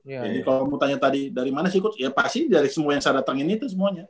jadi kalau mau tanya tadi dari mana sih coach ya pasti dari semua yang saya datangin itu semuanya